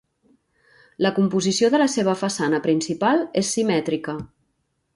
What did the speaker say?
La composició de la seva façana principal és simètrica.